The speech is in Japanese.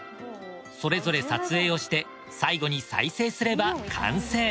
それぞれ撮影をして最後に再生すれば完成。